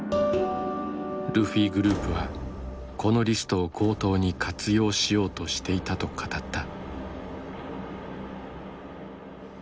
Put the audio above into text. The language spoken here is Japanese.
ルフィグループはこのリストを強盗に活用しようとしていたと語った。